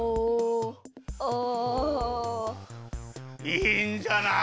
いいんじゃない？